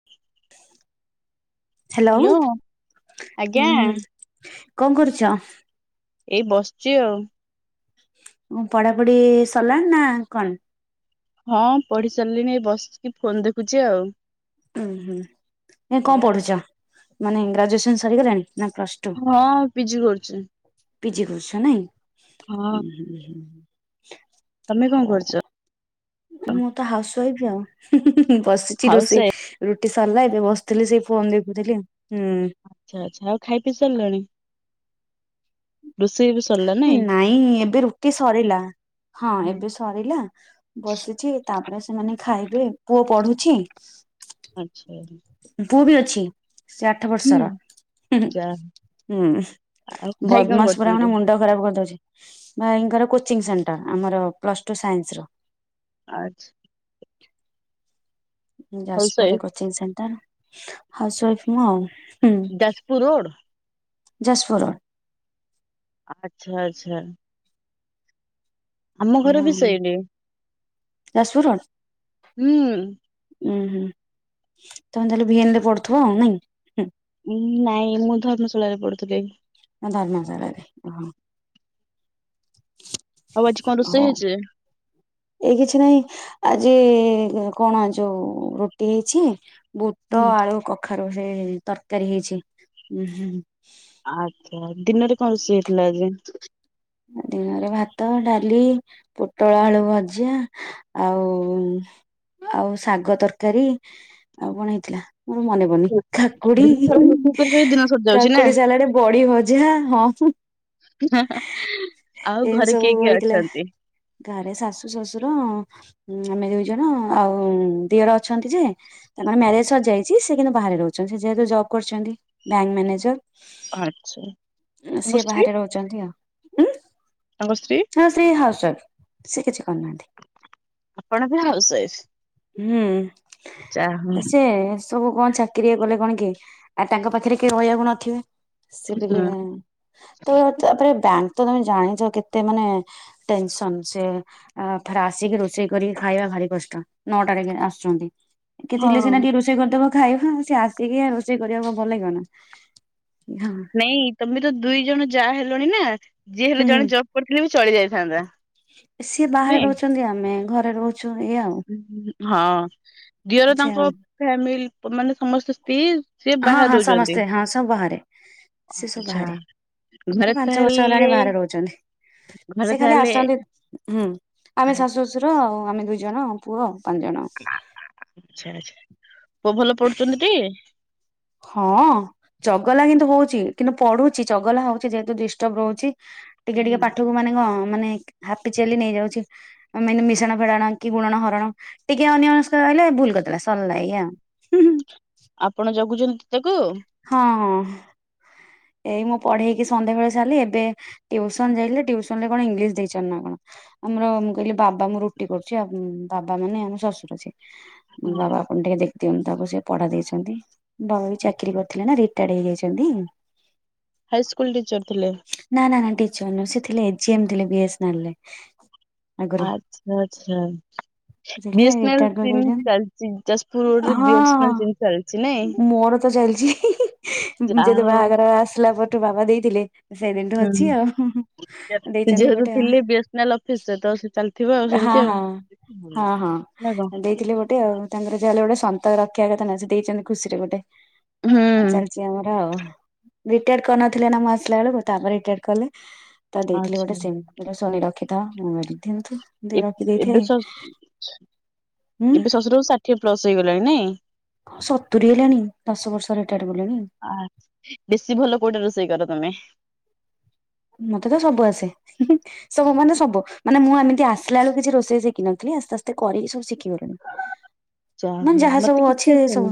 [inaudible] Hello ଆଜ୍ଞା ଉଁ କଣ କରୁଛ? ଏଇ ବସିଛି ଆଉ। ଉଁ ପଢାପଢି ସରିଲାଣି ନା କଣ? ହଁ ପଢି ସାରିଲିଣି ବସିକି ଫୋନ ଦେଖୁଛି ଆଉ। ଉୁଁ ହୁଁ ଏ କଣ ଏଇଆ ପଢୁଛ ମାନେ ଗ୍ରାଜୁଏସନ ସରିଗଲାଣି ନା ପ୍ଲସ ଟୁ ହଁ ପିଜି କରୁଛି। ପି ଜି କରୁଛ ହଁ। ନାଇଁ। [inaudible] ତମେ କଣ କରୁଛ? ମୁଁ ତ ହାଉସ ୱାଇଫ୍ ଆଉ ହୁଁ ହୁଁ ହୁଁ ବସିଛି ହାଉସ ରୋଷେଇ ୱାଇଫ ରୁଟି ସରିଲା ଏବେ ବସିଥିଲି ସେଇ ଫୋନ ଦେଖୁଥିଲି ହୁଁ। ଆଚ୍ଛା ଆଚ୍ଛା ଆଉ ଖାଇ ପି ସାରିଲଣି? ବି ସରିଲା ନାଇଁ ଏବେ ରୁଟି ସରିଲା ହଁ ଏବେ ସ ସରିଲା ବସିଛି ତାପରେ ସେମାନେ ଖାଇବେ ପୁଅ ପଢ଼ୁଛି। ଆଚ୍ଛା। ପୁଅ ବି ଅଛି ସେ ଆଠ ହୁଁ ବର୍ଷର। ଯା ହୁଁ ଆଉ ଭାଇ କଣ ବଦମାସ ପୁରା କରୁଛନ୍ତି? ମାନେ ମୁଣ୍ଡ ଖରାପ କରିଦଉଛି। ଭାଇଙ୍କର କୋଚିଂ ସେଣ୍ଟର ଆମର ପ୍ଲସ ଟୁ ସାଇନ୍ସ ର। ଆଛ ହାଉସ ଯାଜପୁରରେ wife coaching centre house wife ମୁଁ ଆଉ। ହୁଁ ଯାଜପୁର ରୋଡ ଯାଜପୁର ରୋଡ଼୍। ଆଚ୍ଛା ଆଚ୍ଛା। ଆମ ଏ ଘର ବି ହୁଁ ସେଇଠି ଯାଜପୁର ରୋଡ଼୍। ହୁଁ। ଉୁଁ ହୁଁ ତମେ ତାହେଲେ ଭି ଏନ ରେ ପଡ଼ୁଥିବ ଆଉ ନାଇଁ? ଉଁ ନାଇଁ ମୁଁ ଧର୍ମଶଳାରେ ପଢ଼ୁଥିଲି। ମୁଁ ଧର୍ମଶାଳା ରେ ହଁ। ଆଉ ଆଜି କନ୍ ରୋଷେଇ ହେଇଛି। ଏ କିଛି ନାହିଁ ଆଜି କଣ ଆ ଯୋଉ ରୁଟି ହେଇଛି। ବୁତ ଆଳୁ କଖାରୁ ରେ ତରକାରୀ ହେଇଛି ଉଁ ହୁଁ। ଆଚ୍ଛା ଦିନରେ କଣ ରୋଷେଇ ହେଇଥିଲା ଆଜି? ଦିନରେ ଭାତ ଡାଲି ପୋଟଳ ଆଳୁ ଭଜା ଆଉ ଆଉ ଶାଗ ତରକାରୀ। ଆଉ କଣ ହେଇଥିଲା ମୋର ମନେ ପଡ଼ୁନି ଦିନ କାକୁଡ଼ି ଦିନ ସରି ଯାଉଛି ନା କାକୁଡ଼ି ସାଲାଟେ ବଢି ଭଜା ହଁ। [unintelligible] ଆଉ ଏନ ଘରେ ସବୁ କିଏ କିଏ ବଇଥିଲା ଅଛନ୍ତି? ଘରେ ଶାଶୁ ଶଶୁର ଉଁ ଆମେ ଦୁଇ ଜଣ ଆଉ ଦିଅର ଅଛନ୍ତି ଯେ ତାଙ୍କ ମ୍ୟାରେଜ ସରଯାଇଛି ସେ କିନ୍ତୁ ବାହାରେ ରହୁଛନ୍ତି ସେ ଯେହେତୁ ଜବ୍ କରିଛନ୍ତି ବ୍ୟାଙ୍କ ଆଚ୍ଛା ମ୍ୟାନେଜର। ତାଙ୍କ ସିଏ ସ୍ତ୍ରୀ ବାହାରେ ରହୁଛନ୍ତି ଆଉ। ତାଙ୍କ ସ୍ତ୍ରୀ ହଁ ସେ ହାଉସ ୱାଇଫ ସେ କିଛି କରୁନାହାନ୍ତି। ଆପଣ ବି ହାଉସ ୱାଇଫ୍। ହୁଁ ସେ ସବୁ କଣ ଚାକିରି କଲେ କଣ କି ଆ ତାଙ୍କ ପାଖରେ କେଇ ରହିବାକୁ ନଥିବେ ସେ ବିଇ ତ ତାପରେ ବ୍ୟାଙ୍କ ତ ତମେ ଜାଣିଛ କେତେ ମାନେ ଟେନସନ୍ ସେ ଆ ଥରେ ଆସିକି ରୋଷେଇ କରିକି ଖାଇବା ଭାରି କଷ୍ଟ ନଅଟାରେ କି ଆସୁଛନ୍ତି। କେ ଥିଲେ ସେନା ହଁ। କେ ରୋଶ୍ ଷେଇ କରିଦବ ଖାଇବୁ ସେ ଆସିକି ଆ ରୋଷେଇ କରିବାକୁ ଆଉ ଭଲଲାଗିବ ନା ହଁ। ନାଇଁ ତମେ ତ ଦୁଇ ଜଣ ଯାଆ ହେଲଣି ନା ଯିଏ ହେଲେ ହୁଁ ଜଣେ ଜବ୍ କରିଥିଲେ ବି ଚଳି ଯାଇଥାନ୍ତା। ସିଏ ବାହାରେ ନାଇଁ। ରହୁଛନ୍ତି ଆମେ ଘରେ ରହୁଛୁ ଏୟା ଆଉ। ହଁ ଦିଅର ଆଛା ତାଙ୍କ ଫ୍ୟାମିଲି ପ ମାନେ ସମସ୍ତେ ସ୍ତ୍ରୀ ସିଏ ହଁ ବାହାରେ ହଁ ରହୁଛନ୍ତି। ସମସ୍ତେ ହଁ ସବୁ ବାହାରେ ସେ ସବୁ ଆଚ୍ଛା ବାହାରେ। ଘରେ ସେ ପାଞ୍ଚ ବର୍ଷ ତାହେଲେ ହେଲାଣି ବାହାରେ ରହୁଛନ୍ତି। ଘରେ ସେ ଖାଲି ତାହେଲେ ଆସନ୍ତି ହୁଁ ଆମେ ଶାଶୁ ଶ ଶୁର ଆଉ ଆମେ ଦୁଇ ଜଣ ଆମ ପୁଅ ଆଉ ପାନ୍ ଜଣ। ଆଛା ଆଛା ପୁଅ ଭଲ ପଢୁଛନ୍ତି ଟି? ହଁ। ଚଗଲା କିନ୍ତୁ ହଉଛି କିନ୍ତୁ ପଢ଼ୁଛି ଚଗଲା ହଉଛି ଯେହେତୁ ଡିଷ୍ଟର୍ବ ରହୁଛି। ଟିକେ ଟିକେ ପାଠକୁ ମାନେ କ ମାନେ ହାପି ଚାଲି ନେଇଯାଉଛି। ଅ ମାନେ ମିଶାଣ ଫେଡାଣ କି ଗୁଣଣ ହରାଣ। ଟିକେ ଅନ୍ୟ ମନସ୍କ ରହିଲେ ଭୁଲ କରିଦେଲା ସରିଲା ଏୟା ଆଉ। ଆପଣ ଜଗୁଛନ୍ତି ତାକୁ। ହଁ ହଁ। ଏଇ ମୁଁ ପଢେଇକି ସନ୍ଧ୍ୟାବେଳେ ସାରିଲି ଏବେ ଟିଉସନ ଯାଇଲେ ଟ୍ୟୂସନ ରେ କଣ ଇଂଲିଶ ଦେଇଚନ୍ତି ନା କଣ? ଆମର ମୁଁ କହିଲି ବାବା ମୁଁ ରୁଟି କରୁଛି ଆ ବାବା ମାନେ ଆମ ଶ୍ୱଶୁର ସିଏ। ବାବା ଆପଣ ଟିକେ ଦେଖି ଦିଅନ୍ତୁ ତାକୁ ସେ ପଢା ଦେଇଛନ୍ତି ମୋ ବାବା ବି ଚାକିରି କରିଥିଲେ ନା ସେ ରିଟାଡ ହେଇଯାଇଛନ୍ତି। ହାଇସ୍କୁଲ ଟିଚର ଥିଲେ। ନା ନା ତିଚର୍ ନୁହେଁ ସେ ଥିଲେ ଏଚ୍ ଏମ୍ ଥିଲେ ବି ଏସ ନେଲ୍ ରେ। ଆଗରୁ। ଆଚ୍ଛା ଆଚ୍ଛା। ଥିଲେ B S N L retired sim କରିଯାଇଛନ୍ତି ଚାଲିଛି ଯାଜପୁର ରୋଡ୍ରେ ହଁ ବି ଏସ୍ନ୍ ହଁ। ଏଲ ସିମ୍ ଚାଲି ମୋର ତ ଚାଲିଛି ଯାହା ଯୋଉ ଦ ହଉ ବାହାଘର ଆସିଲା ପରଠୁ ବାବା ଦେଇଥିଲେ। ସେଇଦିନଠୁ ହୁଁ। ଅଛି ଆଉ। ଦେଇଛନ୍ତି ଯେହେତୁ ଗୋଟେ ଥିଲେ ବି ଏସ୍ନେ ଏଲ ଅଫିସ ରେ ତ ସେ ଚାଲିଥିବ ଆଉ ହଁ ସେମତି ଆଉ। ହଁ। ହଁ ହଁ ନା କଣ ଦେଇଥିଲେ ଗୋଟେ ଆଉ। ତାଙ୍କର ଯାହାଲେ ଗୋଟେ ସନ୍ତକ ରଖିବା କଥା ନା ସେ ଦେଇଛନ୍ତି ଖୁସିରେ ଗୋଟେ ହୁଁ ଚାଲିଚି ଆମର ଆଉ। ରିଟାୟାର କରିନଥିଲେ ନା ମୁଁ ଆସିଲା ବେଳକୁ ତାପରେ ରିଟାର କଲେ ତା ଦେଇଥିଲି ଆଚ୍ଛା। ଗୋଟେ ସେ ଏଇଟା ସୋନି ରଖିଥାଅ ମୁ କହିଲି ଦିଅନ୍ତୁ। ଦେ ରଖି ଏବେ ଏବେ ଦେଇଥାଏ ଶଶ ହୁଁ ଶଶୁରଙ୍କୁ ଷାଠିଏ ପ୍ଲସ ହେଇଗଲାଣି ନାଇଁ। ହଁ ସତୁରି ହେଲାଣି ଦଶ ବର୍ଷ ରିଟାୟାର କଲେଣି। ଆ ବେଶୀ ଭଲ କୋଉଟା ରୋଷେଇ କର ତମେ। ମୋତେ ତ ସବୁ ଆସେ। ସବୁ ମାନେ ସବୁ ମୁଁ ଏମିତି ଆସିଲା ବେଳକୁ କିଛି ରୋଷେଇ ଶିଖିନଥିଲି ଆସ୍ତେ ଆସ୍ତେ କରିକି ସବୁ ଶିଖି ଗଲିଣି। ଯା ନା ହଉ ଯାହା ମତେ ସବୁ କିଛି ଅଛି ଏ ସବୁ ଆସେନି।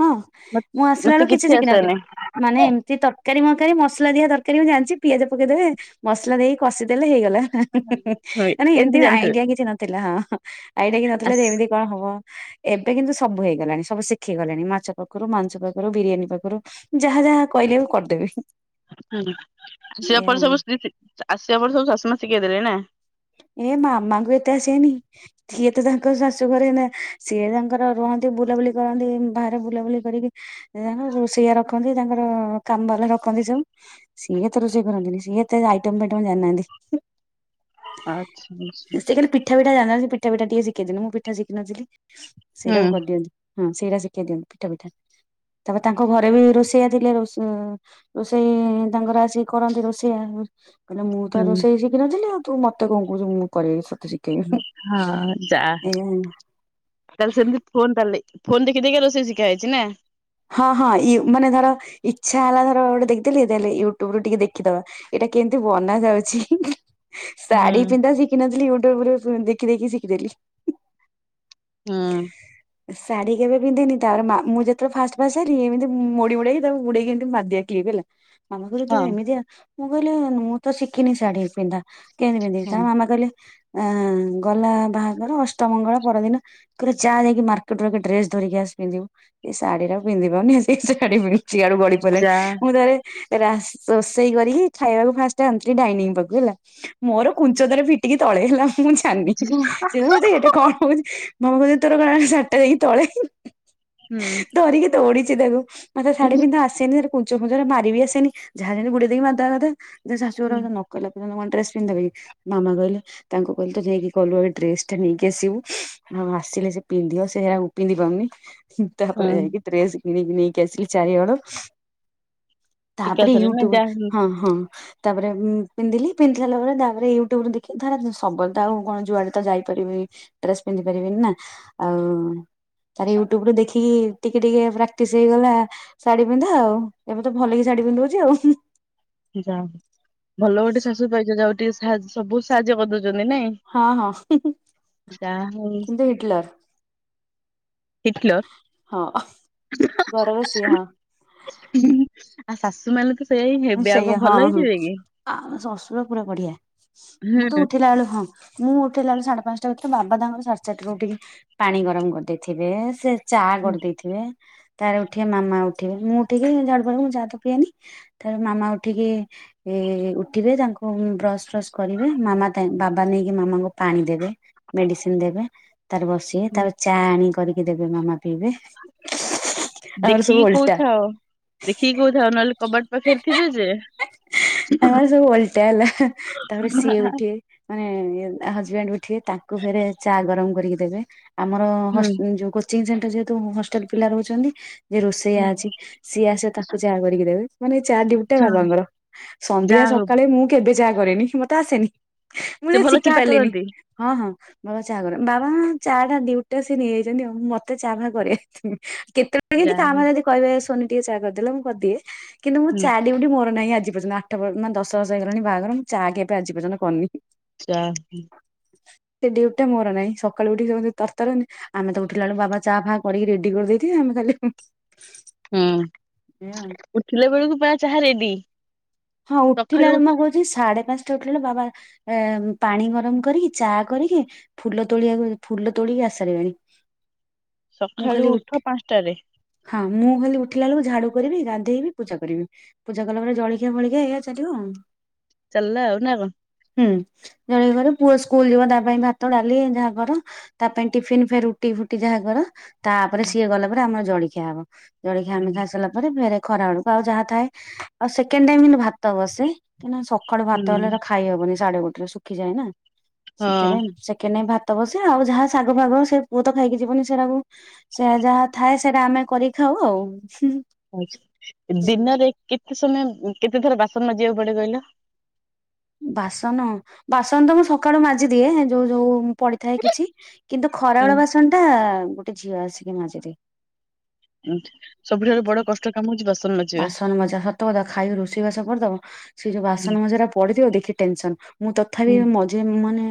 ହଁ ମତେ ମୁଁ ଆସିଲା ମତେ ବେଳକୁ କିଛି ଶିଖିନଥିଲି। ଆସେନି ମାନେ ଏମିତି ତରକାରୀ ମରକାରୀ ମସଲା ଦିଆ ତରକାରୀ ମୁଁ ଜାଣିଚି। ପିଆଜ ପକେଇଦେବେ ମସଲା ଦେଇକି କଷିଦେଲେ ହେଇଗଲା ହଁ ନ ଏମିତି ଜାଣିଥିଲି ଆଇଡିଆ କିଛି ନ। ଥିଲା ହଁଁ ଆଇଡିଆ କି ନଥିଲେ ଏମିତି ଆସ କଣ ହବ। ଏବେ କିନ୍ତୁ ସବୁ ହେଇଗଲାଣି ସବୁ ଶିଖେଇ ଗଲିଣି ମାଛ ପାଖରୁ ମାଂସ ପାଖରୁ ବିରିୟାନୀ ପାଖରୁ। ଯାହା ଯାହା କହିଲେ ମୁ କରିଦେବି। ହୁଁ ଆସିବା ଏଇଆ ପରେ ଆଉ। ସବୁ [unintelligible] ଆସିବା ପରେ ସବୁ ଶାଶୁ ମା ଶିଖେଇ ଦେଲେ ନା। ଏ ମାମଙ୍କୁ ଏତେ ଆସିବନି। ସିଏ ତ ତାଙ୍କ ଶାଶୁ ଘରେ ନା ସିଏ ତାଙ୍କର ରୁହନ୍ତି ବୁଲାବୁଲି କରନ୍ତି ବାହାରେ ବୁଲାବୁଲି କରିକି ତାଙ୍କ ରୋଷେଇଆ ରଖନ୍ତି ତାଙ୍କର କମ୍ ବାଲା ରଖନ୍ତି ସବୁ। ସିଏ ଏତେ ରୋଷେଇ କରନ୍ତିନି। ସିଏ ଏତେ ଆଇଟମ ବାଇଟମ ଜାଣିନାହାନ୍ତି। ଆଚ୍ଛା ଆଚ୍ଛା। ସିଏ କାଲି ପିଠା ପିଠା ଜାଣି ପିଠା ପିଠା ଟିକେ ଶିଖେଇଛନ୍ତି। ମୁଁ ପିଠା ଶିଖିିନଥିଲି। ହୁଁ ସେଇଟା କରିଦିଅନ୍ତି ହଁ ସେଇଟା ଶିଖେଇ ଦିଅନ୍ତି ପିଠା ପିଠା। ତାପରେ ତାଙ୍କ ଘରେ ବି ରୋଷେଇଆ ଥିଲେ ରୋଷ ରୋଷେଇ ତାଙ୍କର ଆସିିକି କରନ୍ତି ରୋଷେଇଆ। କହିଲେ ମୁଁ ତ ହୁଁ ରୋଷେଇ ଶଖିିନଥିଲି ଆଉ ତୁ ମୋତେ କଣ କହୁଛୁ ମୁଁ କରେଇ ତୋତେ ଶିଖେ ହଁ ଯା ହଉ। ତାହେଲେ ସେମିତି ଫୋନ ତାହେଲେ ଫୋ ଦେଖି ଦେଖି ରୋଷେଇ ଶିଖା ହେଇଛି ନା। ହଁ ହଁ ମାନେ ଧର ଇଚ୍ଛା ହେଲା ଧର ଗୋଟେ ଦଖିଦେଲି ତା ହେଲେ ୟୁଟ୍ୟୁବ ରୁ ଟିକେ ଦେଖିଦେବା। ଏଇଟା କେମିତି ବନା ଯାଉଛି। ହୁଁ ଶାଢୀ ପିନ୍ଧା ଶିଖିନଥିଲି ୟୁଟ୍ୟୁବରୁ ଦେଖି ଦେଖି ଶିଖିଦେଲି। ହୁଁ। ଶାଢୀ କେବେ ପିନ୍ଧିନି ତା ମା ମୁଁ ଯେତେବେଳେ ଫାଷ୍ଟ। ବା ସାରି ଏମିତି ମୋଡି ମୁଡେଇକି ତାକୁ ଗୁଡେଇକି ଏମତି ମାରିଦିଏ କ୍ଲିପ୍ ହେଲା ମାମା କହିଲେ ତୁ ଏମିତିଆ। ମୁଁ କହିଲି ମୁଁ ତ ଶିଖିନି ଶାଢୀ ପିନ୍ଧା କେମିତି ପିନ୍ଧିବି ତା ହଁ ମାମା କହିଲେ ଆ ଗଲା ବାହାଘର ଅଷ୍ଟମଙ୍ଗଳା ପରଦିନ ପୁରା ଯା ମାର୍କେଟରୁ ଆଗେ ଡ୍ରେସ ଧରିକି ଆସି ପିନ୍ଧିବୁ। ଏଇ ଶଢୀର ପିନ୍ଧି ପାରୁନି ସେ ଶଢୀ [unintelligible] ଆଡୁ ଗଳି ପାରିଲାଣି। ଯା ମୁଁ ଥରେ ରାସ୍ ରୋଷେଇ କରିକି ଖାଇବାକୁ ଫାଷ୍ଟ ଆଣିଥିଲି ଡାଇନିଂ ପାଖକୁ ହେଲା। ମୋର କୁଞ୍ଚ ତରେ ଫିଟିକି ତଳେ ହେଲା ମୁଁ ଜାଣିନି ଯା ସେ କହୁଚି ଏଟା କଣ ହଉଚି? ମାମ କହୁଚନ୍ତି ତୋର କଣ ସାଢିଟା ଯାଇକି ତଳେ ହୁଁ। ଧରିକି ତୋଡିଛି ତାକୁ ମତେ ଶାଢୀ ହୁଁ ପନ୍ଧା ଆସେନି କୁଞ୍ଚ ଫୁଞ୍ଚ ମାରି ବି ଆସେନି। ଯାହା ଯେଏନ୍ତି ଗୁଡେଇ ମାରି ଦେବା କଥା। ଯେ ଶାଶୁ ଘର ମୋତେ ନ କୁହ [unintelligible] ପିନ୍ଧି ଦେବ କି ମାମା କହିଲେ ତାଙ୍କୁ କହିଲେ ତ ନେଇକି ଗଲୁ ଆଗ ଡ୍ରେସ ଟା ନେଇକି ଆସିବୁ। ହଁ, ଆସିଲେ ସେ ପିନ୍ଧିବ ସେରା ପିନ୍ଧି ପାରୁନି। ତାପରେ ହୁଁ ଯାଇକି ଡ୍ରେସ କିଣିିକି ନେଇକି ଆସିଲି ଚାରିହଳ ତାପରେ ଏକାଥରେ ନା ୟୁଟ୍ୟୁବ ରୁ ଯା ହଉ ହଁ ହଁ। ତାପରେ ପିନ୍ଧିଲି ପିନ୍ଧି ସାରା ପରେ ତାପରେ ୟୁଟ୍ୟୁବୁ ଦେଖି ଧର ସବୁଆଡେ ତ ଆଉ କଣ ଯୁଆଡେ ତ ଯାଇପାରିବି। ଡ୍ରେସ ପିନ୍ଧି ପାରିବିନି ନା ଆଉ ତାରେ ୟୁଟ୍ୟୁବ ରୁ ଦେଖିକି ଟିକେ ଟିକେ ପ୍ରାକ୍ଟିସ୍ ହେଇଗଲା ଶାଢୀ ପିନ୍ଧା ଆଉ ଏବେ ତ ଭଲ କେ ଶାଢୀ ପିନ୍ଧିଦଉଛି ଆଉ। ଯାହା ହଉ ଭଲ ଗୋଟେ ଶାଶୁ ପାଇଛ ଯାହା ହଉ ଟିକେ ସା ସବୁ ସାହାଯ୍ୟ କରିଦଉଛନ୍ତି ନାଇଁ। ହଁ ହଁ ଯାହା ହଉ କିନ୍ତୁ ହିଟଲର ଠିକୀଲୋ। ହଁ ଘରେ ବସି ହଁ। ଆ ଶାଶୁ ମଲୁ ତ ସେଇ ସେଇଆ ହଁ ହଁ ଆଉ ଶଶୁର ପୁରା ବଢିଆ ମୁଁ ତ ଉଠିଲା ବେଳୁ ହଁ। ମୁଁ ଉଠିଲା ବେଳେ ସାଢେ ପାଞ୍ଚଟା ଭିତରେ ବାବା ଦାଙ୍କର ସାଢେ ସାରିଟ ର ଉଠିକି ପାଣି ଗରମ କରିଦେଇଥିବେ ସେ ଚା କରିଦେଇଥିବେ ତାର ଉଠିବେ ମାମା ଉଠିବେ ମୁଁ ଉଠିକି ଝାଡକୁ ମୁଁ ଚା ତ ପିଏନି। ତାପରେ ମାମା ଉଠିକି। ଏ ଉଠିବେ ତାଙ୍କୁ ବ୍ରସ୍ ଫ୍ରସ୍ କରିବେ ମାମା ବାବା ନେଇକି ମାମାଙ୍କୁ ପାଣି ଦେବେ। ମେଡିସିନ ଦେବେ ତାର ବସି ହୁଁ ତାପରେ ଚା ଆଣ କରିକି ଦେବେ ମାମା ପିଇବେ ଆମର ସବୁ ଓଲଟା। ଦେଖି କହୁଥାଅ। କବାଟ ପାଖେର ଥିବେ ଯେ। ଆମର ସବୁ ଓଲଟା ହେଲା ତାପରେ ସିଏ ଉଠିବେ ମାନେ ହଜବେଣ୍ଡ ଥିବେ ତାଙ୍କୁ ଫେରେ ଚା ଗରମ କରିକି ଦେବେ। ଆମର ହୁଁ ଯ କୋଚିଂ ସେଣ୍ଟର ଯେହେତୁ ହଷ୍ଟେଲ ପିଲା ରହୁଛନ୍ତି ଯେ ରୋଷେଇଆ ହୁଁ ଅଛି। ସିଏ ଆସେ ତାକୁ ଚା କରିକି ଦେବେ ମାନେଇ ଚା ଉଟା ବାବାଙ୍କର ସନ୍ଧ୍ୟା ଯାହା ହଉ ସକାଳେ ମୁଁ କେବେ ଯାହା କରେନି ମତେ ଆସେନି ମୁଁ ସେ ତ ଭଲ ଶିଖି ଚାହା ପାରିଲିନି କରନ୍ତି। ହଁ ହଁ। ବାବା ଚା କର ବାବା ଚା ଟା ଦିଉଟେ ସେ ନେଇଯାଇଛନ୍ତି ଆଉ ମୁ ମତେ ଚା ବା କରିି କେତେ କେତେ ବେଳେ କେମି ଯାହା କଭାଁ ଯଦି କହିବେ ସୋନି ଟିକେ ଚା କରିଦେଲେ ମୁଁ କରିଦିଏ କିନ୍ତୁ ମୁଁ ହୁଁ ଚା ଡିୟଟି ମୋର ନାହିଁ ଆଜି ପର୍ନ୍ତ ଆ ଆଠ ମାନ ଦଶ ବର୍ଷ ହେଇଗଲାଣି ବାହାଘର ମୁଁ ଚା କେବେ ଆଜି ପର୍ଯ୍ୟନ୍ତ କରିନି। ଚା। ସେ ଡିୟଟି ମୋର ନାହିଁ ସକାଳୁ ଉଠିକି ସେ ତରତାର ଆମେ ତ ଉଠିଲା ବେଳୁ ବାବା ଚା ଫା କରିକି ରେଡି କରିଦେଇଥିବେ ଆମେ ଖାଲି ହିଁ ହିଁ। ହୁଁ ଉଠିଲା ବେଳକୁ ପୁରା ଚାହା ରେଡି। ହଁ ଉଠିଲା ସକାଳୁ ବେଳୁକୁ ମୁଁ କହୁଛି। ସାଢେ ପାଞ୍ଚଟା ଉଠିଲା ବେଳୁକୁ ବାବା ପାଣି ଗରମ କରିକି ଚା କରିକି। ଫୁଲ ତୋଳିବାକୁ ଫୁଲ ତୋଳିକି ଆସି ଷାରିବେଣି। ସକାଳୁ ଉଠ ପାଞ୍ଚଟାରେ। ହଁ ମୁଁ ଖାଲି ଉଠିଲା ବଳକୁ ଝାଡୁ କରିବିନ୍ଧେଇବି ପୂଜା କରିବି ପୂଜା କଲା ପରେ ଜି ଜଳଖିଆ ଫଳଖିଆ ଏଇଆ ଚାଲିବ ଆଉ। ଚାଲିଲା ଆଉ ନା କଣ। ହୁଁ ଜଳଖିଆ କର ପୁଅ ସ୍କୁଲ ଯିବ ତା ପାଇଁ ଭାତ ଡାଲି ଯାହା କର। ତା ପାଇଁ ଟିଫିନ ଫେ ରୁଟି ଫୁଟି ଯାହା କର। ତାପରେ ହୁଁ ସିଏ ଗଲା ପରେ ଆମର ଜଳଖିଆ ହବ ଜଳଖିଆ ଆମେ ଖାଇ ସାରିଲା ଫେରେ ଖରା ବେଳକୁ ଆଉ ଯାହା ଥାଏ ଆଉ ସେକଣ୍ଡ ଟାଇମ୍ କିନ୍ତୁ ଭାତ ବସେ କାଇନା ସକା ସକାଳୁ ଭାତ ହେଲେ ହୁଁ ତ ଖାଇ ହବନି ସାଢେ ଗୋଟେରେ ଶୁଖିଯାଏନା ସେଥିପାଇଁ ସେକେଣ୍ଡ ଟାଇମ ଭା ଭାତ ବସେ ଆଉ ଯାହା ଶାଗ ଫାଗ ସେ ପୁଅ ତ ଖାଇକି ଯିବନି ସେଗୁରାକୁ ସେଆ ଯାହା ଥାଏ ସେଇଟା ଆମେ କରି ଖାଉ ଆଉ। ଆଛା ଦିନରେ କେତେ ସମୟ କେତେ ଥର ବାସନ ମାଜିବାକୁ ପଡେ କହିଲ? ବାସନ ବାସନ ତ ମୁଁ ସକାଳୁ ମାଜିଦିଏ ଯୋଉ ଯୋଉ ପଡିଥାଏ କିଛି। କିନ୍ତୁ ଖରାବେଳ ହୁଁ ବାସନ ଟା ଗୋଟେ ଝିଅ ଆସିକି ମାଜିଦିଏ। ସବୁଠାରୁ ବଡ କଷ୍ଟ କାମ ହଉଛି ବାସନ ମାଜିବା। ବାସନ ମଜା ସତ କଥା ଖାଇ ରୋଷେଇବାସ କରିଦବ ସେଇ ଯୋଉ ହୁଁ ବାସନ ମଜା ପଡିିଥିବ ଦେଖି ଟେନସନ ମୁଁ ତଥାପି ହୁଁ ମଝିରେ ମୁଁ ମାନେ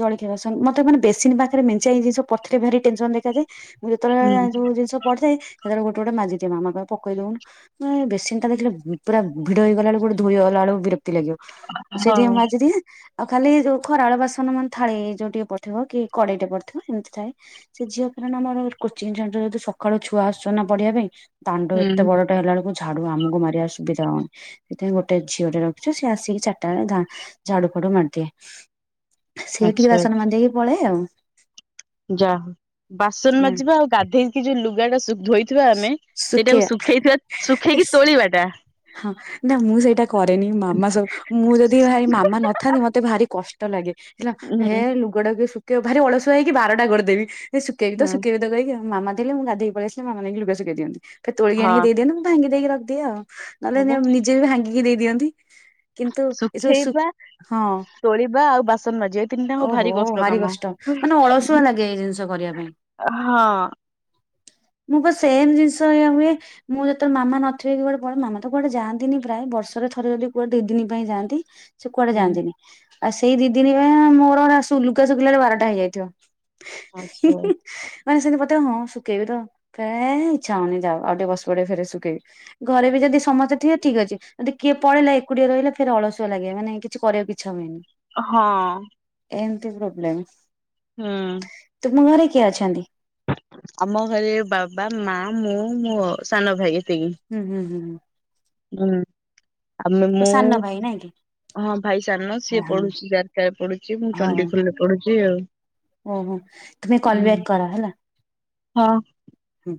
ଜଳଖିଆ ବାସନ ମତେ ମାନେ ବେସିନ୍ ପାଖରେ ମେଞ୍ଚେ ଜିନିଷ ପଡିଥିଲେ ଭାରି ଟେନସନ ଦେଖାଯାଏ। ମୁଁ ହୁଁ ଯେତେବେଳେ ଯୋଉ ଜିନିଷ ପଡିିଥାଏ ସେତେବେଳେ ଗୋଟେ ଗୋଟେ ମାଜିଦିଅ ମାମା କହେ ପକେଇ ଦଉନୁ ମାନେ ବେସିନଟା ଦେଖିଲେ ପୁରା ଭିଡ ହେଇଗଲା ବେଳକୁ ଗୋଟେ ଧୋଇଗଲା ବେଳକୁ ବିରକ୍ତି ଲାଗିବ। ସେଇଥି ପାଇଁ ମୁଁ ହଁ ମାଜିଦିଏ। ଆଉ ଖାଲି ଯୋଉ ଖରାବେଳ ବାସନ ମାନେ ଥାଳି ଯୋଉ ଟିକେ ପଡିଥିବ କି କଡେଇ ଟେ ପଡିଥିବ ଏମିତି ଥାଏ। ସେ ଝିଅ କାରଣ ଆମର କୋଚିଂ ସେଣ୍ଟର ଯଦି ସକାଳୁ ଛୁଆ ଆସୁଛ ନା ପଢିବା ପାଇଁ। ଦାଣ୍ଡ ଏତେ ହୁଁ ବଡଟା ହେଲା ବେଳକୁ ଝାଡୁ ଆମକୁ ମାରିବା ସୁବିଧା ହଉନି ସେଥିପାଇଁ ଗୋଟେ ଝିଅ ଟେ ରଖିଛୁ। ସେ ଆସିକି ଚାରିଟା ବେଳେ ଧା ଝାଡୁ ଫାଡୁ ମାରିଦିଏ। ସେ ଟିକେ ଆଚ୍ଛା ବାସନ ମାଜି ଦେଇକି ପଳାଏ ଆଉ। ଯା ହଉ। ବାସନ ମାଜିବା ଆଉ ଗାଧେଇକି ଯୋଉ ଲୁଗା ଟା ସୁ ଧୋଇ ଥିବା ଆମେ, ସେଇଟାକୁ ଶୁଖେଇବା ଶୁଖେଇଥିବା ଶୁଖେଇକି ତୋଳିବା ଟା ହଁ ନା ମୁଁ ସେଇଟା କରେନି। ମାମା ସବୁ, ମୁଁ ଯଦି ଭାଇ ମାମା ନଥାନ୍ତି ମତେ ଭାରି କଷ୍ଟ ଲାଗେ। [unintelligible] ଉଁ ହେ ହୁଁ ଲୁ ଲୁଗା ଟାକୁ କିଏ ଶୁକେଇବ ଭାରି ଅଳସୁଆ ହେଇକି ବାରଟା କରିଦେବି। ଏ ଶୁକେଇବି ତ ହଁ ଶୁକେଇବି ତ କହିକି ଆଉ। ମାମା ଦେଲେ ମୁ ଗଧୋଇ ପଳେଇ ଆସିଲେ ମାମା ନେଇକି ଲୁଗା ଶିକେଇଦିଅନ୍ତି। ଫେରେ ତୋଳିକି ଆଣିକି ଦେଇଦିଅନ୍ତି ମୁଁ ଭାଙ୍ଗିଦେଇକି ରଖିଦିଏ ଆଉ। ହଁ ବା ନହେଲେ ନିଜେ ବି ଭାଙ୍ଗିକି ଦେଇଦିଅନ୍ତି। କିନ୍ତୁ ଏ ଯଉ ସୁ ଶୁଖେଇବା ହଁ। ତୋଳିବା ଆଉ ବାସନ ମାଜିିବା ଏ ତିନିଟାଙ୍କ ଓହୋ ଭାରି କଷ୍ଟ କାମ। ମାନେ ଅଳସୁଆ ଲାଗେ ଏଇ ଜିନିଷ କରିବା ପାଇଁ। ହଁ। ମୁଁ ପା ସେମଟ ଜିନିଷ ଏଇୟା ହୁଏ। ମୁଁ ଯେତେବେଳେ ମାମା ନଥିବେ କି କୁଆଡେ ପଳେଇ ମାମା ତ କୁଆଡେ ଯାଆନ୍ତିନି ପ୍ରାୟ ବର୍ଷରେ ଥରେ ଯଦି କୁଆଡେ ଦି ଦିନ ପାଇଁ ଯାନ୍ତି। ସେ କୁଆଡେ ହୁଁ ଯାଆନ୍ତିନି। ଆଉ ସେଇ ଦି ଦିନ ପା ମୋର ଲୁଗା ଶୁଖେଇଲା ବେଳକୁ ବାରଟା ହେଇଯାଇଥିବ। ଆଚ୍ଛା। ମାନେ ସେମିତି ପଡିଥିବ ହଁ ଶୁଖେଇବି ତ, ହେ ଇଚ୍ଛା ହଉନି ଯାଉ ଆଉ ଟିକେ ବସି ପଡେ ଫେରେ ଶୁଖେଇବି। ଘରେ ବି ଯଦି ସମସ୍ତେ ଥିବେ ଠିକ୍ ଅଛି। ଯଦି କିଏ ପଳେଇଲା ଏକୁଟିଆ ରହିଲେ ଫେରେ ଅଳସୁଆ ଲାଗେ, ମାନେ କିଛି କରିବାକୁ ଇଛା ହୁଏନି। ହଁ। ଏମତି ପ୍ରୋବ୍ଲେମ୍। ହୁଁ। ତୁମ ଘରେ କିଏ ଅଛନ୍ତି? ଆମ ଘରେ ବାବା, ମା, ମୁଁ, ମୋ ସାନ ଭାଇ ଏତିକି। ହୁଁ ହୁଁ ହୁଁ ହୁଁ। ହୁଁ ଆମେ ମୋ ମୁଁ ସାନ ଭାଇ ନାଇଁ କି ହଁ ଭାଇ ସାନ। ହଁ ସିଏ ପଢୁଚି ଜାରକାରେ ପଢୁଚି ମୁଁ ହଉ। ଚଣ୍ଡିଖୋଲ ରେ ପଢୁଚି ଆଉ। ଓହୋ। ତୁମେ କଲ୍ ବ୍ୟାକ୍ କର ହେଲା। ହଁ ହୁଁ।